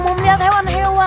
mau melihat hewan hewan